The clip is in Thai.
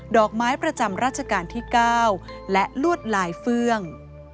อกไม้ประจำราชการที่๙และลวดลายเฟื่อง